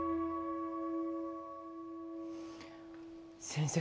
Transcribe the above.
先生